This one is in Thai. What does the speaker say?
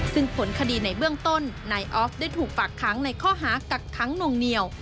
ซึ่งผลคดีในเบื้องต้นนายออฟได้ถูกฝากค้างในข้อหากักค้างนวงเหนียว